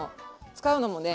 使うのもね